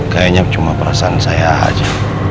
kayaknya cuma perasaan saya aja